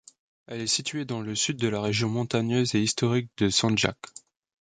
Elle est située dans le Sud de la région montagneuse et historique du Sandjak.